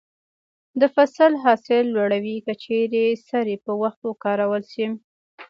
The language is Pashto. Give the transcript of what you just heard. د فصل حاصل لوړوي که چیرې سرې په وخت وکارول شي.